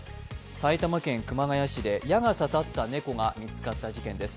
埼玉県熊谷市で矢が刺さった猫が見つかったものです。